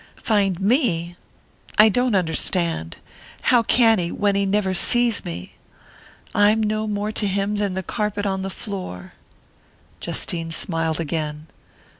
"Find me? I don't understand. How can he, when he never sees me? I'm no more to him than the carpet on the floor!" Justine smiled again.